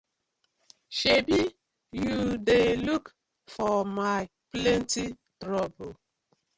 Sebi yu dey look for my plenty trouble.